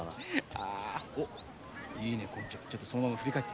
あっいいね。